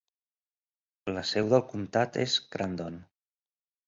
La seu del comtat és Crandon.